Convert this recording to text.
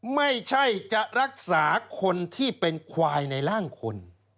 ไม่ใช่จะรักษาคนที่เป็นควายในร่างคน